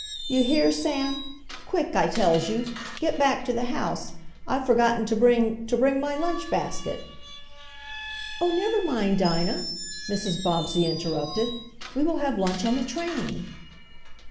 "You heah, Sam? Quick, I tells you. Get back to dat house. I'se forgot to bring to bring my lunch basket!" "Oh, never mind, Dinah," Mrs. Bobbsey interrupted. "We will have lunch on the train."